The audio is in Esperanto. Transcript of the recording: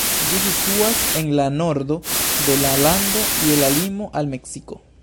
Ĝi situas en la nordo de la lando, je la limo al Meksiko.